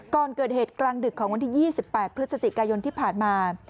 ก่อนเกิดเหตุกลางดึกของวันที่๒๘พฤศจิกายนที่ผ่านมา